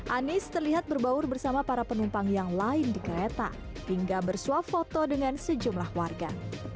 anies terlihat berbaur bersama para penumpang yang lain di kereta hingga bersuap foto dengan sejumlah warga